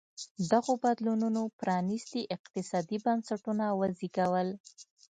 دغو بدلونونو پرانېستي اقتصادي بنسټونه وزېږول.